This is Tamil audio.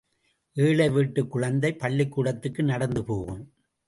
ஏழைவீட்டுக் குழந்தை பள்ளிக்கூடத்துக்கு நடந்துபோகும்.